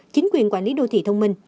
chính quyền quản lý đô thị thông minh